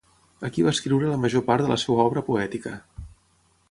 Aquí va escriure la major part de la seva obra poètica.